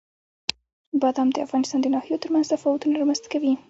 بادام د افغانستان د ناحیو ترمنځ تفاوتونه رامنځ ته کوي.